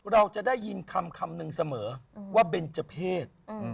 เราจะได้ยินคำหนึ่งเสมอว่าเบนเจอร์เพศ